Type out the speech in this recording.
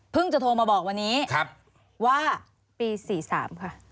จะโทรมาบอกวันนี้ว่าปี๔๓ค่ะ